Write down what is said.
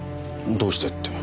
どうしてって。